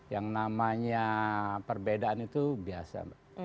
yang namanya perbedaan itu biasa